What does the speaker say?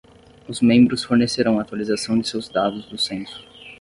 Os membros fornecerão a atualização de seus dados do censo.